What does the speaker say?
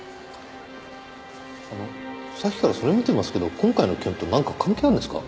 あのさっきからそれ見てますけど今回の件となんか関係あるんですか？